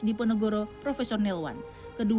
in person ke